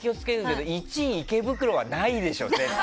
１位、池袋はないでしょ。